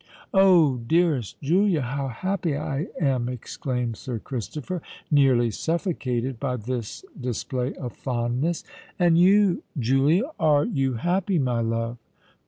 "Oh! dearest Julia—how happy I am!" exclaimed Sir Christopher, nearly suffocated by this display of fondness. "And you, Julia—are you happy, my love?"